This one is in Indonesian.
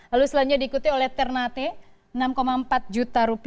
lalu selanjutnya diikuti oleh ternate rp enam empat juta